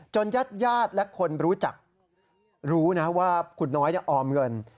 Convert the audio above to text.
จนยัดและคนรู้จักรู้นะว่าคุณน้อยออมเงิน